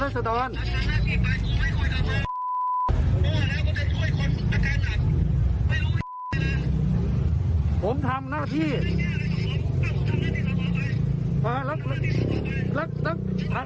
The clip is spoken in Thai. เถียงมาด้วยเหมือนกัน